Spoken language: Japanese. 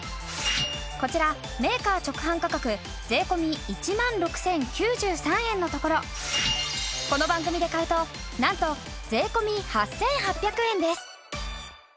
こちらメーカー直販価格税込１万６０９３円のところこの番組で買うとなんと税込８８００円です。